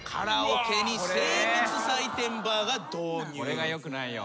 これがよくないよ。